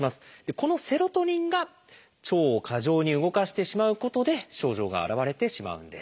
このセロトニンが腸を過剰に動かしてしまうことで症状が現れてしまうんです。